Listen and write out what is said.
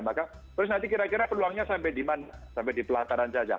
maka terus nanti kira kira peluangnya sampai di pelataran saja